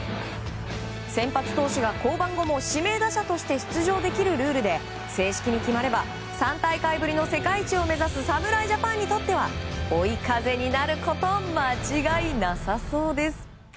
先発投手が降板後も指名打者として出場できるルールで正式に決まれば３大会ぶりの世界一を目指す侍ジャパンにとっては追い風になること間違いなさそうです。